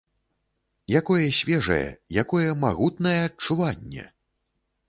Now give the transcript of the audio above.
Якое свежае, якое магутнае адчуванне!